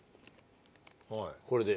はいこれで。